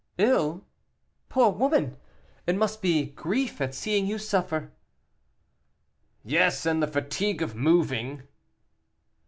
"Ill! poor woman! it must be grief at seeing you suffer." "Yes, and the fatigue of moving."